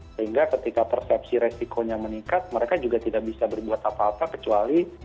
sehingga ketika persepsi resikonya meningkat mereka juga tidak bisa berbuat apa apa kecuali